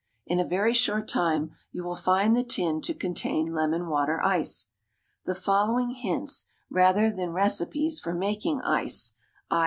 In a very short time you will find the tin to contain lemon water ice. The following hints, rather than recipes, for making ices, _i.